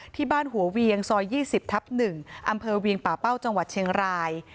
ที่บ้านหัวเวียงซอย๒๐ทับ๑อำเภอเวียงป่าเป้าจังหวัดเชียงราย